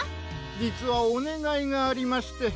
じつはおねがいがありまして。